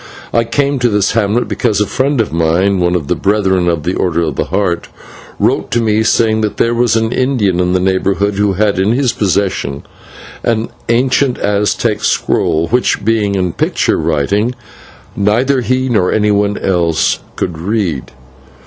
I came to this hamlet because a friend of mine, one of the brethren of the Order of the Heart, wrote to me saying that there was an Indian in the neighbourhood who had in his possession an ancient Aztec scroll, which, being in picture writing, neither he nor anyone else could read.